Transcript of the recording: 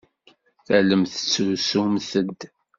Tellamt tettrusumt-d.